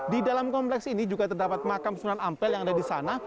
di dalam kompleks ini juga terdapat makam sunan ampel yang ada di sana